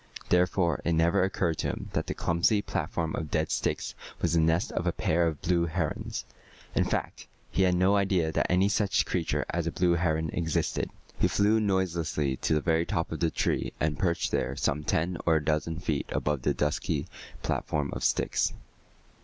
Therefore it never occurred to him that the clumsy platform of dead sticks was the nest of a pair of blue herons. In fact, he had no idea that any such creature as a blue heron existed. He flew noiselessly to the very top of the tree and perched there some ten or a dozen feet above the dusky platform of sticks.